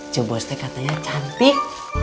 cu bos teh katanya cantik